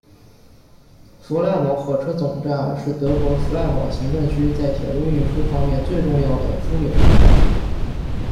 弗赖堡火车总站是德国弗赖堡行政区在铁路运输方面最重要的枢纽车站。